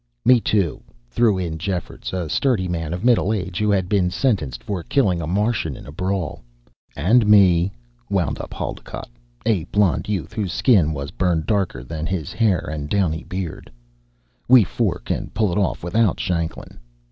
"Me, too," threw in Jeffords, a sturdy man of middle age who had been sentenced for killing a Martian in a brawl. "And me," wound up Haldocott, a blond youth whose skin was burned darker than his hair and downy beard. "We four can pull it off without Shanklin."